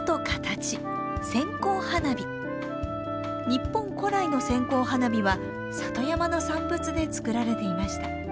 日本古来の線香花火は里山の産物で作られていました。